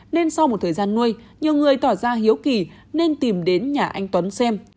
nên sau một thời gian nuôi nhiều người tỏ ra hiếu kỳ nên tìm đến nhà anh tuấn xem